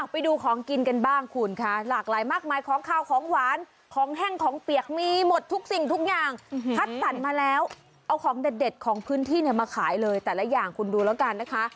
ไปดูของกินกันบ้างคุณค่ะหลากหลายมากมายของขาวของหวานของแห้งของเปียกมีหมดทุกสิ่งทุกอย่างคัดสรรมาแล้วเอาของเด็ดของพื้นที่เนี่ยมาขายเลยแต่ละอย่างคุณดูแล้วกันนะคะ